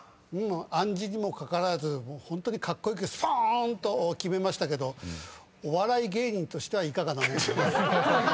暗示にもかからずホントにカッコ良くすぽーんと決めましたけどお笑い芸人としてはいかがなものかなと。